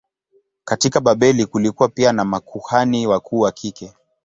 Katika Babeli kulikuwa pia na makuhani wakuu wa kike.